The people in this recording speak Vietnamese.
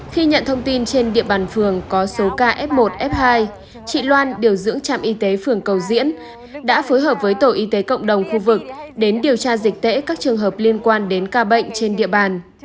khi nhận thông tin trên địa bàn phường có số ca f một f hai chị loan điều dưỡng trạm y tế phường cầu diễn đã phối hợp với tổ y tế cộng đồng khu vực đến điều tra dịch tễ các trường hợp liên quan đến ca bệnh trên địa bàn